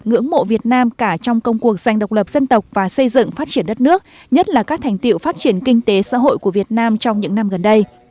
ngưỡng mộ việt nam cả trong công cuộc dành độc lập dân tộc và xây dựng phát triển đất nước nhất là các thành tiệu phát triển kinh tế xã hội của việt nam trong những năm gần đây